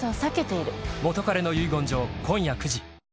「元彼の遺言状」、今夜９時。